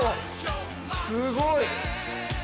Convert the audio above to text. すごい。